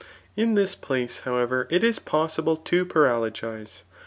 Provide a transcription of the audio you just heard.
In this place, however, it is possible to paralogize.